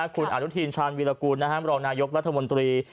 คุณอารุทีญชานวิรกุณรองนายกรรภรรภ์รัฐมนตรี